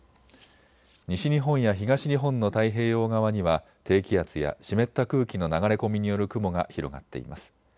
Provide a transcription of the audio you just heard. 西日本や東日本の太平洋側には低気圧や湿った空気の流れ込みによる雲が広がっています。